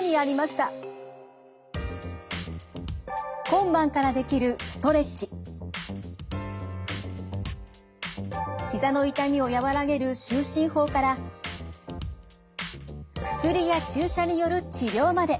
今晩からできるひざの痛みを和らげる就寝法から薬や注射による治療まで。